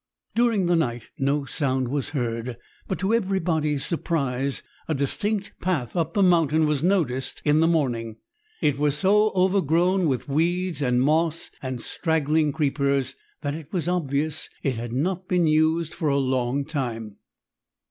During the night no sound was heard, but to everybody's surprise a distinct path up the mountain was noticed in the morning. It was so overgrown with weeds and moss and straggling creepers that it was obvious it had not been used for a long time.